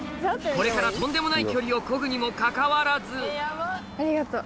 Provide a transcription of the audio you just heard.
これからとんでもない距離をこぐにもかかわらずありがとう。